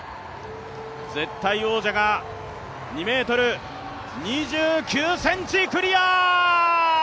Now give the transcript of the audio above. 絶対王者が２ｍ２９ｃｍクリア！